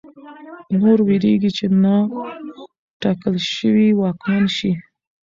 نور وېرېږي چې نا ټاکل شوی واکمن شي.